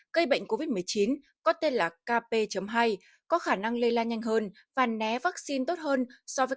gây bệnh covid một mươi chín có tên là kp hai có khả năng lây lan nhanh hơn và né vaccine tốt hơn so với